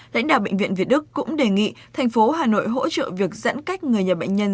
lãnh đạo bệnh viện việt đức cũng đề nghị thành phố hà nội hỗ trợ việc giãn cách người nhà bệnh nhân